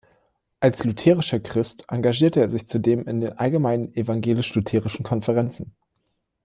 Als lutherischer Christ engagierte er sich zudem in der Allgemeinen Evangelisch-Lutherischen Konferenz.